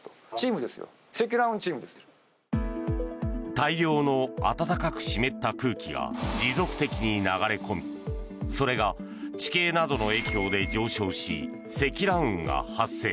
大量の暖かく湿った空気が持続的に流れ込みそれが地形などの影響で上昇し積乱雲が発生。